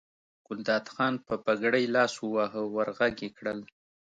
ګلداد خان په پګړۍ لاس وواهه ور غږ یې کړل.